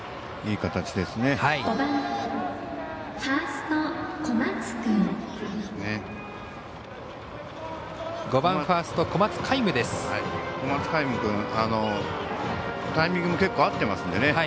いい形ですね。